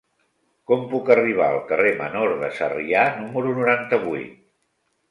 Com puc arribar al carrer Menor de Sarrià número noranta-vuit?